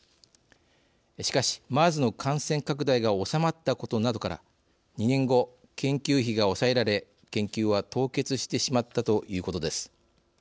しかしＭＥＲＳの感染拡大が収まったことなどから２年後研究費が抑えられ研究は凍結してしまったということです。